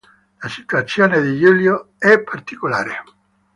La situazione di Giulio è particolare.